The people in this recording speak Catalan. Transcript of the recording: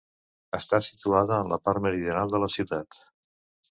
Està situada en la part meridional de la ciutat.